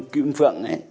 khi phượng ấy